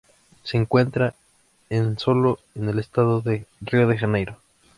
Se encuentra en sólo en el estado de Río de Janeiro.